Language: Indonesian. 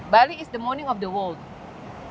bali adalah pagi dunia